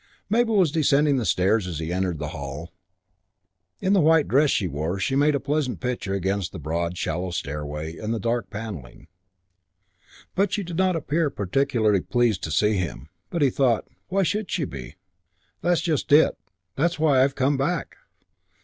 Mabel was descending the stairs as he entered the hall. In the white dress she wore she made a pleasant picture against the broad, shallow stairway and the dark panelling. But she did not appear particularly pleased to see him. But he thought, "Why should she be? That's just it. That's why I've come back."